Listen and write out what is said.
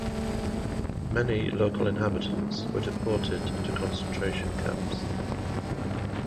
Many local inhabitants were deported to concentration camps.